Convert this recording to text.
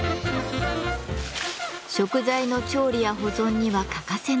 食材の調理や保存には欠かせない存在。